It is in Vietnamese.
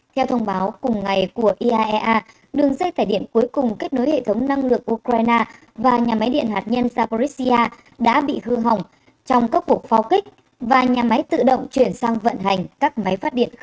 theo thông báo cùng ngày của iaea đường dây tải điện cuối cùng kết nối hệ thống năng lực ukraine và nhà máy điện hạt nhân zaporizhia đã bị hư hỏng trong các cuộc pháo kích và nhà máy tự động chuyển sang vận hành các máy phát điện khẩn cấp